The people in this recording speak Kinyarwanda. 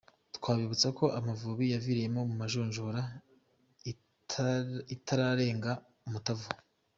Twabibutsa ko amavubi yaviriyemo mu majonjora itararenga umutaru.